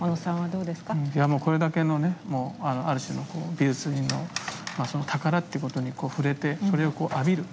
いやもうこれだけのねもうある種の美術品の宝ってことに触れてそれを浴びる。